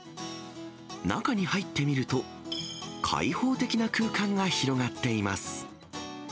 中に入ってみると、開放的な空間が広がっています。